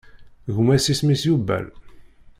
Gma-s isem-is Yubal.